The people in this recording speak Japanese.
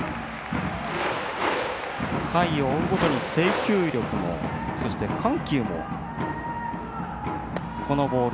回を追うごとに制球力もそして、緩急も。